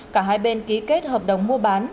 cả hai bên ký kết hợp đồng mua bán